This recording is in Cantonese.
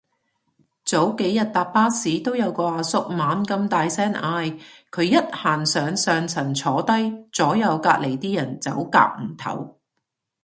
早幾日搭巴士都有個阿叔猛咁大聲嗌，佢一行上上層坐低，左右隔離啲人走夾唔唞